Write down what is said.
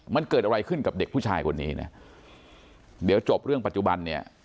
มันเกิดอะไรขึ้นกับเด็กผู้ชายคนนี้นะเดี๋ยวจบเรื่องปัจจุบันเนี่ย